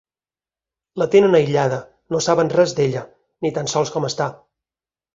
La tenen aïllada, no saben res d'ella, ni tan sol com està.